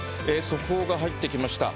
速報が入ってきました。